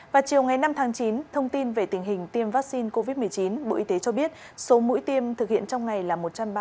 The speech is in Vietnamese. vào chiều ngày năm tháng chín thông tin về tình hình tiêm vaccine covid một mươi chín bộ y tế cho biết số mũi tiêm thực hiện trong ngày là một trăm ba mươi một bốn trăm bốn mươi bảy